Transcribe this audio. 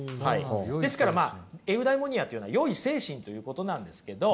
ですからまあエウダイモニアというのは善い精神ということなんですけど。